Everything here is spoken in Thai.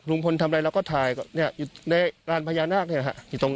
ลุงพลบอกว่ามันก็เป็นการทำความเข้าใจกันมากกว่าเดี๋ยวลองฟังดูค่ะ